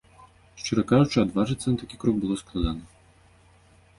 Шчыра кажучы, адважыцца на такі крок было складана.